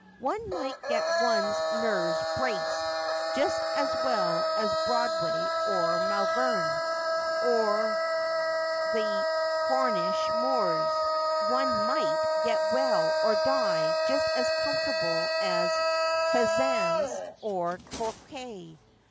One might get one's nerves braced just as well at Broadway or Malvern, or on the Cornish moors ; one might get well or die just as comfortably at Penzance or Torquay.